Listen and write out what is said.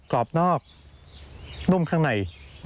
กรอบนอกนุ่มข้างใน